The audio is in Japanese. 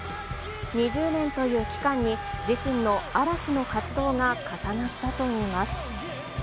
２０年という期間に、自身の嵐の活動が重なったといいます。